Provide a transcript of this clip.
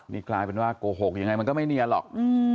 นี่กลายเป็นว่าโกหกยังไงมันก็ไม่เนียนหรอก